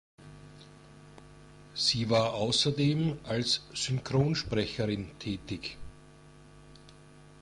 Sie war außerdem als Synchronsprecherin tätig.